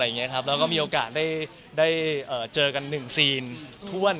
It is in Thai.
แล้วก็มีโอกาสได้เจอกันหนึ่งซีนท่วน